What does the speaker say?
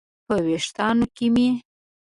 په ویښتانو کې مې